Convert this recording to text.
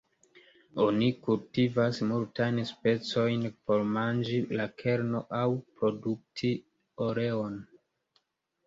Oni kultivas multajn specojn por manĝi la kernon aŭ produkti oleon.